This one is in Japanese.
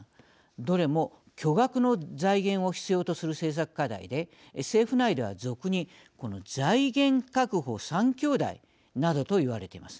どれも巨額の財源を必要とする政策課題で政府内では俗にこの財源確保３兄弟などと言われています。